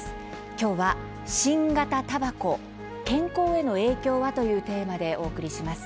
きょうは「新型たばこ健康への影響は？」というテーマでお送りします。